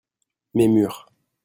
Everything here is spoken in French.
mes mur.